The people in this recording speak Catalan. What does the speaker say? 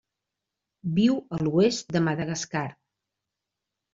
Viu a l'oest de Madagascar.